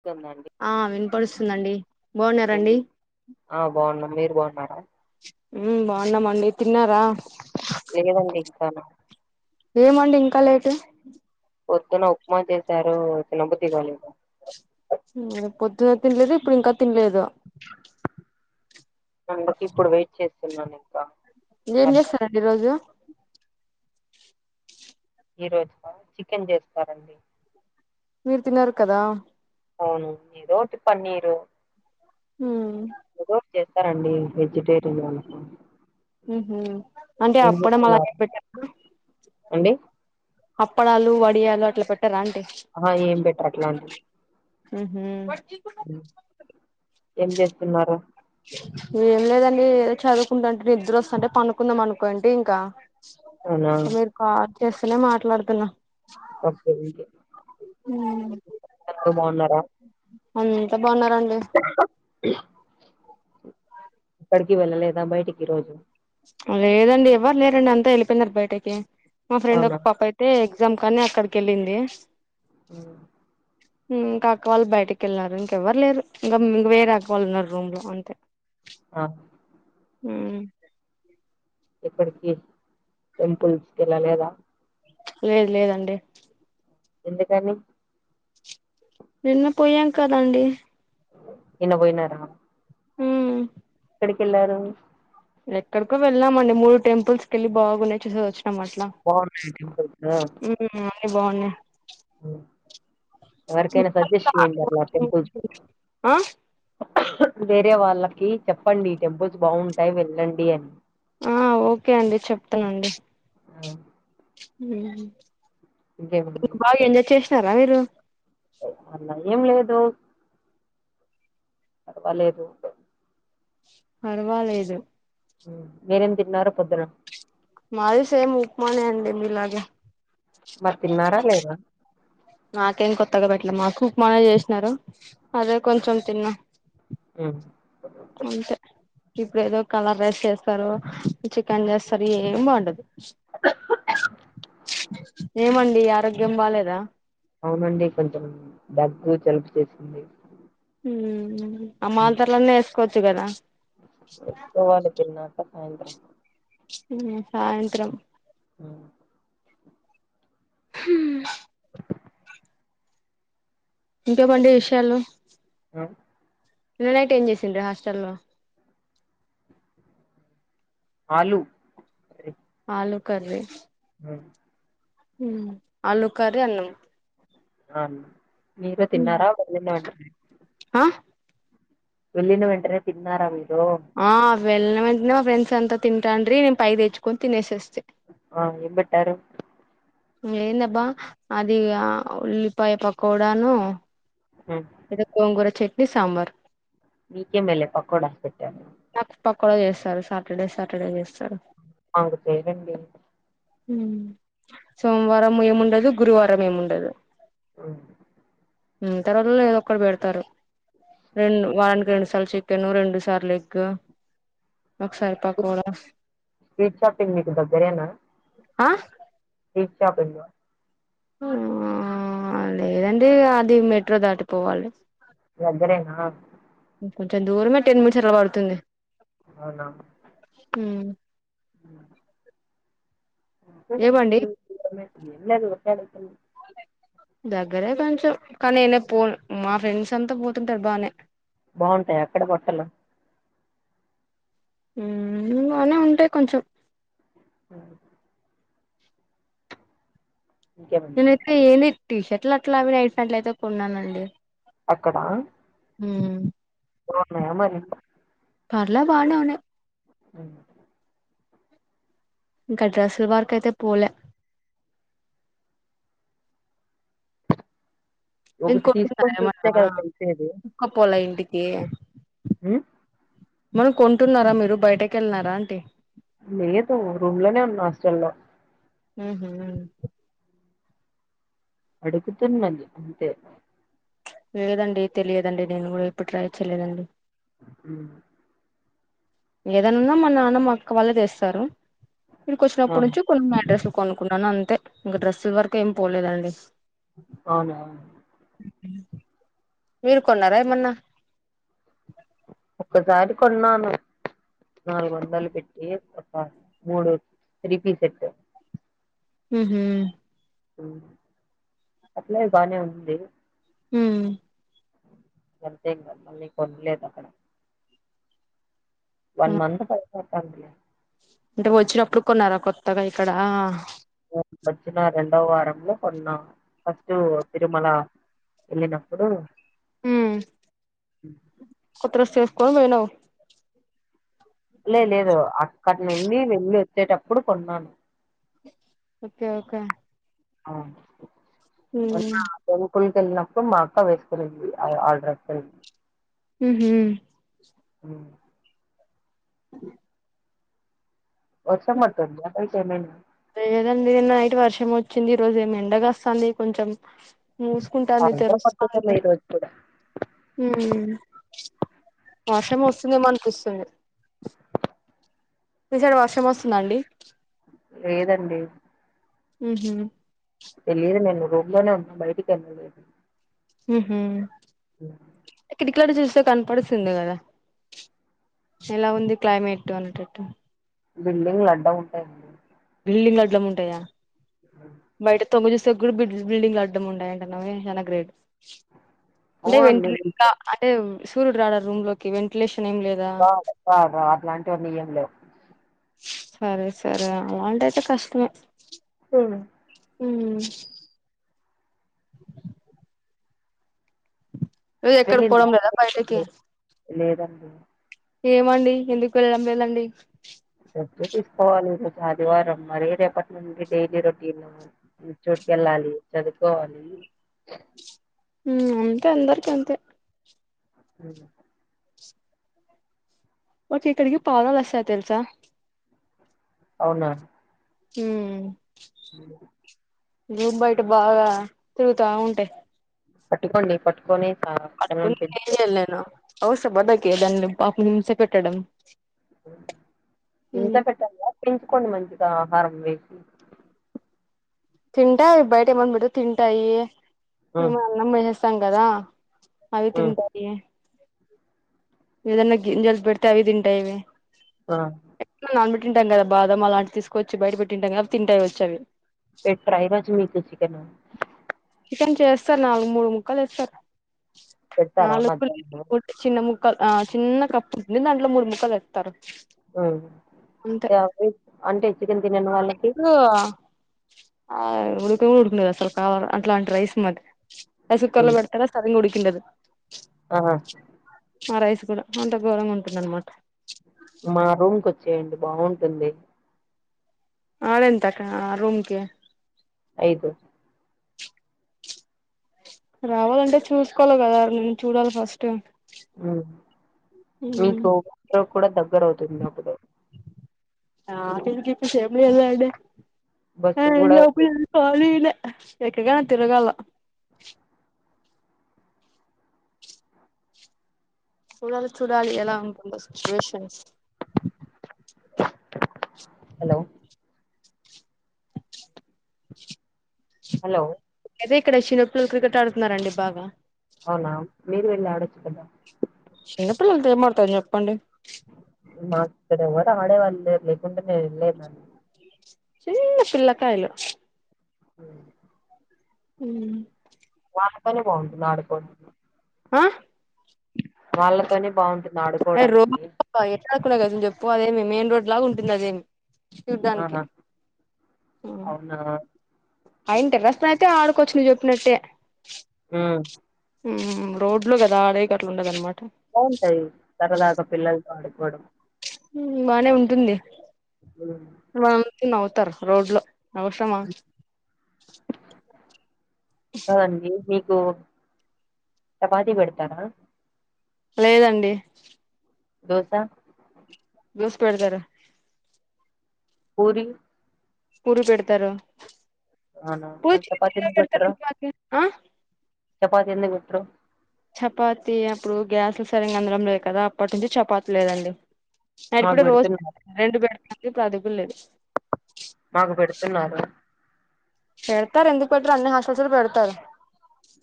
స్తుందండి ఆ వినిపడుస్తుందండి ఏం బాగున్నారండి చే ఆ బాగున్నాం మీరు బాగున్నారా ఉమ్ బాగున్నామండి తిన్నారా లేదండి ఇంకా ఏమండి ఇంకా లేటు పొద్దున ఉప్మా చేశారు తినబుద్ధి కాలేదు. ఉ పొద్దున్న తినలేదు ఇప్పుడు ఇంకా తినలేదు అందుకు ఇప్పుడు వెయిట్ చేస్తున్నాను ఇంకా ఏం మధ్యాహ్నం చేస్తారండి ఈ రోజు ఈ రోజుక చికెన్ చేస్తారండి మీరు తినరూ కదా అవును ఏదోటి పన్నిరు మ్ చేస్తారండి వెజిటేరియన్ వాళ్లకు ఉహు అంటే అప్పుడం అలా పెట్ట అండి అప్పడాలు వడియాలు అట్లా పెట్టర అండి ఆహ ఏం బెట్టారు అట్లాంటి ఉహు ఏం చేత్తున్నారు ఏం లేదండి ఏదో చదువుకుంటె అంటే నిద్ర వస్తుంటే పడుకుందాం అనుకోండి ఇంకా అవునా మీర్ కాల్ చేస్తనే మాట్లాడుతున్నా ఓకే ఇక్కే అందరు బాగున్నారా అంత బాగున్నారాండి అ [unintelligible] క్కడికి వెళ్ళలేదా బయటికి ఈ రోజు లేదండి ఎవ్వరు లేరండి అంతా ఏళ్ళిపోయినారు బయటకి మా ఫ్రెండ్ అవునా ఒక పాప అయితే గ్జామ్ అని అక్కడికి వెళ్ళింది ఉమ్ ఇంకా అక్క వాళ్ళు బయటికి వెళ్ళినారు ఇంకెవ్వరు లేరు ఇంకా ఇంక వేరే ఆక్క వాళ్ళు ఉన్నారు రూమ్లో అంతె ఆ ఉమ్ అప్పడ్కీ టెంపుల్స్కి వెళ్ళలేదా లేద్ లేదండి ఎందుకని నిన్న పోయాం కదండి నిన్న పోయిన్నార ఉమ్ ఎక్కడికెళ్లారు ఎక్కడికో వెళ్లమండి మూడు టెంపుల్స్ కెళ్లి బాగున్నాయి చూసోచ్ చమ్ అట్లా బాగున్నాయి టెంపుల్స్ ఉమ్ అన్ని బాగున్నాయి ఎవరికైనా సజెస్ట్ చేయండాట్ల టెంపుల్ ఆ వేరే వాళ్ళకి చెప్పండి టెంపుల్స్ బాగుంటాయి వెళ్ళండి అని ఆ ఓకే అండి చెప్తానండి ఆ ఇంకేమండి ఉమ్ బాగా ఎంజాయ్ చేసినారా మీరు అలా ఏం లేదు పర్వాలేదు ఇప్ పర్వలేదు మిరెమ్ తిన్నారు పొద్దున మాది సేమ్ ఉప్మానెండి మీలాగే మల్ తిన్నారా లేదా నాకేం కొత్తగా పెట్టలే మాకు ఉక్మనే చేసినారు అదే కొంచెం తిన్నా ఉమ్ అంతే ఇప్పుడు ఏదో కలర్ రైస్ చేస్తారు చికెన్ చేస్తారు ఏమి బాగుండదు ఏమండి ఆరోగ్యం బాలేదా అవునండి కొంచెం దగ్గు జలుబు చేసింది ఉహు అ మాతర్లన్నీ వేసుకోవచ్చుకదా వొచ్చేవాళ్ళు తన్నాకా సాయంత్రం ఉ సాయంత్రం ఉమ్, హు ఇంకేమండి చెప్పండి. విషయాలు ఉమ్, నిన్ననైట్ ఏంచేసిండ్రు హాస్టల్లో ఆలు ఆలు కర్రి ఉ ఉ ఆలు కర్రి అన్నం మీరు తిన్నారా వండిన వెంటనే ఆ వెళ్లిన వెంటనే తిన్నార మీరు ఆ వెెళ్లిన వెంటనే మా ఫ్రెండ్సమ్త తింటాంట్రి నేను పైకి తెచ్చుకొని తినేసేశా ఆ ఏం బేట్టారు ఏందబ్బా అది ఉల్లిపాయ పకోడను గొంగూర చట్నీ సాంబార్ నీకే మేలే పకోడ ఏసి పెట్టారు నాకు పకోడా చేస్తారు సాటర్డే సాటర్డే చేస్తారు వాడు చేయడండి ఊ సోమవారం ఏముండదు గురువారం ఏముండదు హ్మ్. ఉ తర్వాత ఏదో ఒకటి పెడతారు రెండు వానికి రెండు రెండు సార్లు చికెన్ రెండుసార్లు ఎగ్ ఒకసారి పకోడా స్ట్రీట్ షాపింగ్ మీకు దగ్గరేనా ఆ స్ట్రీట్ షాపింగ్ ఆ లేదండి అది మెట్రో దాటిపోవాలి దగ్గరేనా కొంచెం దూరమే టెన్ మినిట్స్ అట్లా పడుతుంది అవునా హ ఉంటే కొంచెం ఏమండి [unintelligible] ఏం లేదు ఊరికే అడుగుతున్నా దగ్గరే కొంచెం కానీ నేనే పోను మా ఫ్రెండ్స్ సంత పోతుంటారు బానే బాగుంటాయ అక్కడ బట్టలు ఊ బానే ఉంటాయి కొంచెం హ్మ్. ఇంకేమండి నేనైతే ఏది టీ షర్ట్లు అట్లా అవి నైట్ ప్యాంట్లు అయితే కొన్నానండి అక్కడ ఊ బాగున్నాయ మరి పర్ల బానే ఉన్నాయి హ్మ్. ఇంకా డ్రసులు వరకయితే పోలే ఒకటి ఇంకొంటున్నారా తీసుకొని చూస్తే ఏమన్నా కదా తెలిసేది తీసుకపోలా ఇంటికి హ మనం కొంటున్నారా మీరు బయటకి వెల్నా రా ఆంటీ లేదు రూమ్ లోనే ఉన్నా హాస్టల్లో హ్మ్ హు అడుగుతున్నది అంతే ప్చ్ లేదండి తెలియదండి నేను కూడా ఇప్పుడు ట్రై చేయలేదండి ఉ హ్మ్ ఏదైనా మా నాన్న మా అక్క వాల్లే తెస్తారు ఇంకో సార్ ఆ ఇక్కడొచ్చి కొన్నా అడ్రస్ కొనుకున్నాను అంతే ఇంక డ్రస్సుల వరకు ఏం పోలేదండి అవునా మీరు కొన్నారా ఏమన్నా ఒకసారి కొన్నాను నాలుగు వందలు పెట్టి ఒక మూడు త్రీపీస్ సేట్ హ్మ్ హు మ్ అట్లే బానే ఉంది హ్మ్ అంతేం కద మళ్ళీ కొన్లేదు అక్కడ వన్ మంత్ పైన్ అవుతవుందిలే అంటే వచ్చినప్పుడు కొన్నారా కొత్తగా ఇక్కడ ఇక్కడ వచ్చిన రెండో వారంలో కొన్న ఫస్ట్టు తిరుమల వెళ్ళినప్పుడు కొత్త డ్రెస్ వేస్కోని పోయినాం లే లేదు అక్కడ నుండి వెళ్ళి వచ్చేటప్పుడు కొన్నాను ఓకే ఓకే ఆ హ్మ్ స్కూల్ కేళ్ళినప్పుడు మా అక్క వేసుకునింది ఆ డ్రెస్లని హ్మ్ హు హ్మ్ వర్షం పడుతుందా బయట ఏమైనా లేదండి నైట్ వర్షం వచ్ వచ్చింది ఈ రోజు ఏం ఎండ గాస్తాంది కొంచెం మూసుకుంటాంది సాయంత్రం పడుతుందేమో తెరుస్థాంది ఈ రోజు కూడా హ్మ్ వర్షం వస్తుందేమో అనిపిస్తుంది మీ సైడ్ వర్షం వస్తుందండి లేదండి హ్మ్ హు తెలియదు నేను రూమ్ లోనే ఉన్నా బయటికి వెళ్ళలేదు హ్మ్ హు కిటికీలోన్ జూస్ స్తే కనపడుతుంది కదా ఎలా ఉంది క్లైమేటు అనేటట్టు బిల్డింగ్లు అడ్డముంటాయి అండి బిల్డింగ్లు అడ్లముంటాయా బయట తొంగి చూస్తే బిల్ బిల్డింగ్ అడ్డం ఉండయంటనావే చాలా గ్రేడ్ అంటే అవునండి వెంటిలేష అంటే సూర్యుడు రాడ రూమ్ లోకి వెంటిలేషన్ ఏం లేదా రాడ్ రాడ్ అట్లాంటివని ఎం లేవు సరే సరే అలాంటైతే కష్టమే అ మ్మ్ నువ్వు ఎక్కడికి పోవడం వెళ్ళిందా లేదా బయటకి లేదండి ఏమండి ఎందుకు వెళ్ళడం లేేదండి రెస్ట్ తీసుకోవాలి ఈరోజు ఆదివారం మరి రేపటి నుండి డైలీ రొటీన్ చూటుకెళ్ళాలి చదువుకోవాలి అంతే అందరికి అంతే అ ఒసేయ్ ఇక్కడికి పావురాలు వస్తాయి తెలుసా అవునా హ రూమ్ బయట బాగా తిరుగుతా ఉంటాయి పట్టుకోండి పట్టుకోన్ పట్టుకొని ఏం చేయాలి నేను అవసరమ నాకీ దాన్ని పాపం హింస పెట్టడం హింస ఉమ్ పెట్టాల పెంచుకోండి మంచిగా ఆహారం వేసి తింటాయి బయట ఏమన్న పెడితే తింటాయి ఆ మేము అన్నం వేసేస్తాం కదా అవి ఆ తింటాయి ఇదన్న గింజల్త్ పెడతే అవి తింటాయి ఆ తింటాం కదా బాదం అలాంటి తీసుకొచ్చి బయట పెట్టింటాం కద తింటాయి వచ్చ అవి రేపు ఫ్రై గా చెయ్ చికెన్ చికెన్ చేస్తారు నాలుగు మూడు ముక్కలు వేస్తారు పెడతారా నాలుగు లేవు మధ్యాహ్నం వట్టి చిన్న ముక్క ఆ చిన్న కప్పు ఉంటుంది దాంట్లో మూడు ముక్కలుస్తారు ఆ అవి అంటే చికెన్ తినను వాళ్ళకి ఇప్పుడు ఆ ఉడికను కూడా ఉడుకిండదు అసలు కావాల అట్లాంటి రైస్ మరి రైస్ కుక్కర్ లో పెడతారా సరిగ ఉడికిండదు ఆ ఆ రైస్ కూడా అంత ఘోరంగా ఉంటుందనమాట మా రూమ్ కచ్చేయండి బాగుంటుంది ఆడ ఎంతంతాక్క రూమ్కి ఐదు రావాలంటే చూసుకోవాలి కదా నేను చూడాలి ఫస్ట్ ఉమ్ మీకు కూడా దగ్గరవుతుంది అప్పుడు ఆ ఎ ఇప్పు కషేమ అదాంటే బస్సు కూడా ఆప్పుాల [unintelligible] ఎక్కకన తిరగాళ చూడాలి చూడాలి ఎలా ఉంటుందో సిచ్యువేషస్ హలో హలో అయితే ఇక్కడ చిన్నపిల్లలు క్రికెట్ ఆడుతున్నారండి బాగా అవునా మీరు వెళ్ళి అడచ్చకద చిన్నపిల్లలతో ఏం ఆడతాం చెప్పండి మాకిక్కడ ఎవ్వరూ ఆడే వాళ్ళు లేరు లేకుంటే నేను వెళ్లేదాన్ని చిన్న పిల్లకాయలు మ్ మ్మ్ అడకనే బాగుంటుంది ఆడుకోం ఆహ్ వాళ్ళతోనే బాగుంట్ ఎ రోబో అ ఎట్లాకున్నా అసల్ చెప్పు అదేమి మెయిన్ రోడ్ లాగా ఉంటుంది అదేమి చూడ్డానికే ఆహా అహ్ అవునా అయింట రాస్నంటే ఆడుకోచ్చు నువ్వు చెప్పినట్టే మ్ మ్మ్ రోడ్ లో కదా అదైతే అట్లుండది అన్మట్ బాగుంటాది సరదాగా పిల్లలతో ఆడుకోవడం మ్ బానే ఉంటుంది మ్ తిన్ నవ్వుతారు రోడ్లో అవశ్రమ ఆ అండి మీకు చపాతి పెడతారా లేదండి దోసా దోస్ పెడదరు పూరి పూరి పెడతరా అవునా మరి పుచ్ చపాతి ఎన్నేళ్లు పేడతార ఎన్నాల్ ఆహ్ చపాాతి ఎందుకు పేట్రు ఛపాతి అప్పుడు గ్యాస్లు సడన్గా అందడం లేదు కదా అప్పటి నుంచి చపాతి లేదండి అండ్ మాకు ఇప్పుడు రోజ్ పెడుతున్నారు [unintelligible] ఇప్పుడు అది కూడా లేదు మాకు పెడుతున్నారు పెడతారు అందు పొద్దున్న అన్ని హాస్టల్స్ లో పెడతారు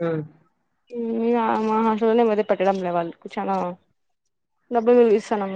మ్ మ్ అ మా హాస్టల్ లోల్ ఎమోజి పెట్టడం లేవాళ్ చాలా డబ్బులు ఇస్తాన్నం